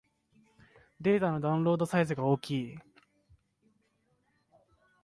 データのダウンロードサイズが大きい